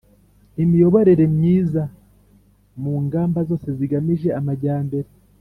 imiyoborere myiza mu ngamba zose zigamije amajyambere.